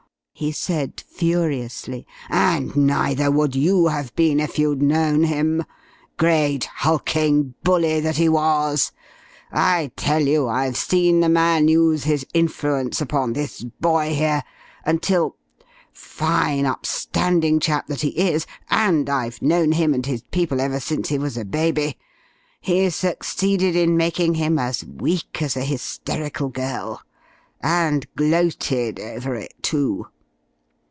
he said, furiously, "and neither would you have been, if you'd known him. Great hulking bully that he was! I tell you, I've seen the man use his influence upon this boy here, until fine, upstanding chap that he is (and I've known him and his people ever since he was a baby) he succeeded in making him as weak as a hysterical girl and gloated over it, too!"